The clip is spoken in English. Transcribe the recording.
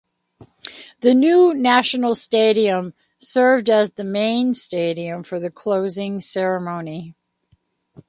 The New National Stadium served as the main stadium for the closing ceremony.